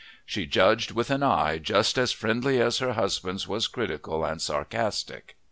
"She judged with an eye just as friendly as her husband's was critical and sarcastic."